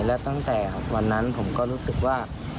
และตั้งแต่วันนั้นผมก็รู้สึกว่า